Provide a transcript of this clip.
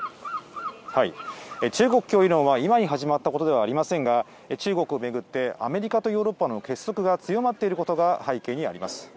中国脅威論はいまに始まったことではありませんが、中国を巡って、アメリカとヨーロッパの結束が強まっていることが背景にあります。